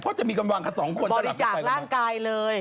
เพราะจะมีกำลังค่ะ๒คนบริจาคร่างกายเลย